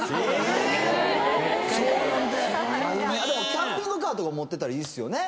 ⁉キャンピングカーとか持ってたらいいっすよね。